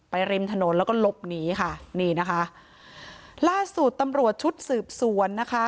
ริมถนนแล้วก็หลบหนีค่ะนี่นะคะล่าสุดตำรวจชุดสืบสวนนะคะ